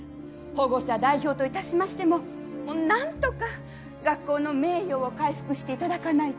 保護者代表と致しましてもなんとか学校の名誉を回復して頂かないと。